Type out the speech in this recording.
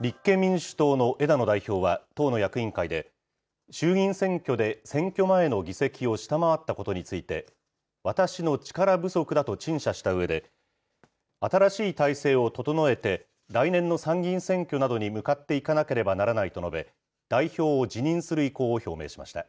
立憲民主党の枝野代表は、党の役員会で、衆議院選挙で選挙前の議席を下回ったことについて、私の力不足だと陳謝したうえで、新しい体制を整えて、来年の参議院選挙などに向かっていかなければならないと述べ、代表を辞任する意向を表明しました。